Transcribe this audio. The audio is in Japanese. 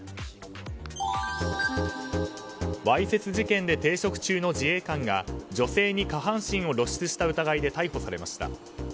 わいせつ事件で停職中の自衛官が女性に下半身を露出した疑いで逮捕されました。